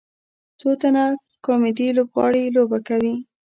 څو تنه کامیډي لوبغاړي لوبه کوي.